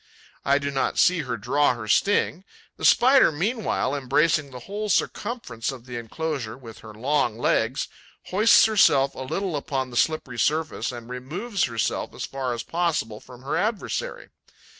I do not see her draw her sting. The Spider, meanwhile, embracing the whole circumference of the enclosure with her long legs, hoists herself a little upon the slippery surface and removes herself as far as possible from her adversary.